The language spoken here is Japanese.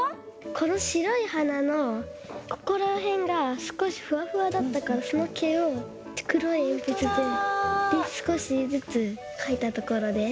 このしろい花のここらへんがすこしふわふわだったからそのけをくろいえんぴつですこしずつ描いたところです。